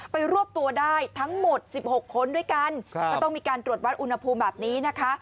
รวบตัวได้ทั้งหมด๑๖คนด้วยกันก็ต้องมีการตรวจวัดอุณหภูมิแบบนี้นะคะ